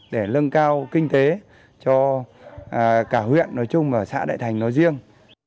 để lưng cao kinh tế cho cả huyện nói chung và xã đại thành nói riêng